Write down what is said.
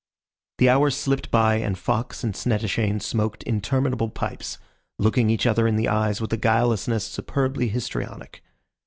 The hours slipped by, and Fox and Snettishane smoked interminable pipes, looking each other in the eyes with a guilelessness superbly histrionic.